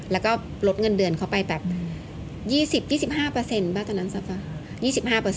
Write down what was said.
แล้วก็ลดเงินเดือนเข้าไปแบบ๒๐๒๕ป่ะตอนนั้นสัก๒๕